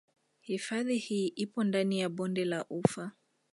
Hifadhi hii ipo ndani ya bonde la ufa